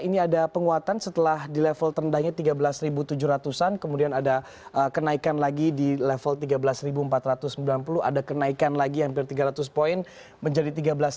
ini ada penguatan setelah di level terendahnya tiga belas tujuh ratus an kemudian ada kenaikan lagi di level tiga belas empat ratus sembilan puluh ada kenaikan lagi hampir tiga ratus poin menjadi tiga belas lima ratus